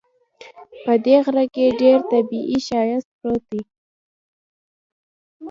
په دې غره کې ډېر طبیعي ښایست پروت ده